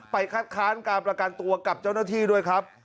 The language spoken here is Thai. คัดค้านการประกันตัวกับเจ้าหน้าที่ด้วยครับ